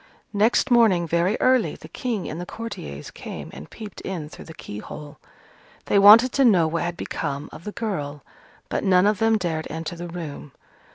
Next morning very early, the King and the courtiers came and peeped in through the keyhole. They wanted to know what had become of the girl, but none of them dared enter the room.